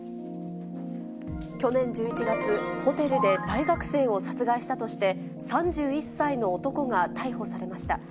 去年１１月、ホテルで大学生を殺害したとして、３１歳の男が逮捕されました。